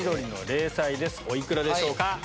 お幾らでしょうか？